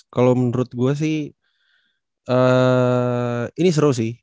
kalau menurut gue sih ini seru sih